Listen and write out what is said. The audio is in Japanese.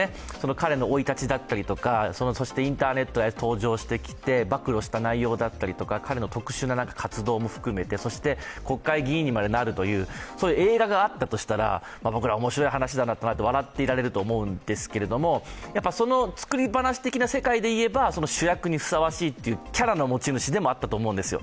彼の生い立ちだったり、そしてインターネットへ登場してきて暴露した内容だったりとか彼の特殊な活動も含めてそして、国会議員にまでなるというそういう映画があるとしたら僕ら、面白い話だなと笑っていられると思うんですけど、その作り話的な世界でいえば主役にふさわしいというキャラの持ち主でもあったと思うんですよ。